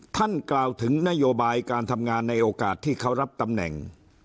กล่าวถึงนโยบายการทำงานในโอกาสที่เขารับตำแหน่ง